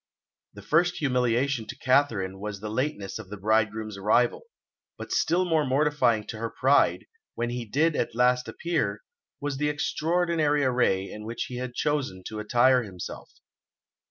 The first humiliation to Katharine was the lateness of the bridegroom's arrival, but still more mortifying to her pride, when he did at last appear, was the extraordinary array in which he had chosen to attire himself.